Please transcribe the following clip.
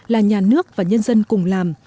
là nhà nước và nhân dân cùng làm